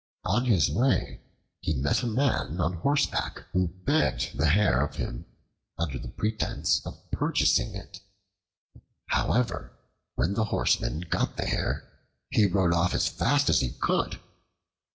On his way he met a man on horseback who begged the hare of him, under the pretense of purchasing it. However, when the Horseman got the hare, he rode off as fast as he could.